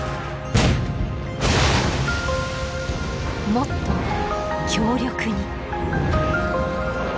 もっと強力に。